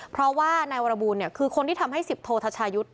เพราะว่านายวรบูลคือคนที่ทำให้สิบโททชายุทธ์